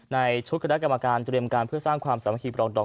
ในชุดคณะกรรมการเตรียมการเพื่อสร้างความสามัคคีปรองดอก